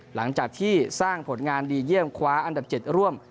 หลังจากที่สร้างผลงานดีเยี่ยมคว้าอันดับ๗ร่วม